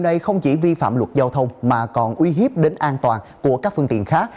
cảnh sát đường thủy bắt đầu làm luật giao thông mà còn uy hiếp đến an toàn của các phương tiện khác